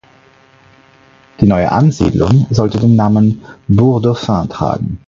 Die neue Ansiedlung sollte den Namen Bourg Dauphin tragen.